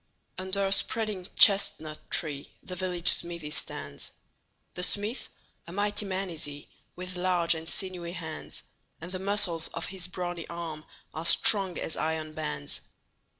Under a spreading chestnut tree The village smithy stands; The smith, a mighty man is he, With large and sinewy hands; And the muscles of his brawny arms Are strong as iron bands.